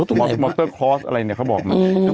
อืม